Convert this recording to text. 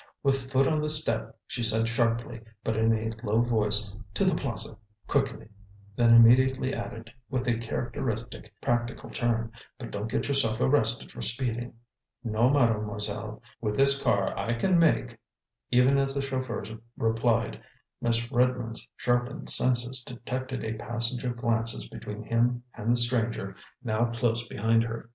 With foot on the step she said sharply, but in a low voice, "To the Plaza quickly," then immediately added, with a characteristic practical turn: "But don't get yourself arrested for speeding." "No, Mademoiselle, with this car I can make " Even as the chauffeur replied, Miss Redmond's sharpened senses detected a passage of glances between him and the stranger, now close behind her.